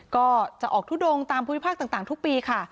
ก็จะออกทุดงตามภูมิภาคต่างทุกปีค่ะ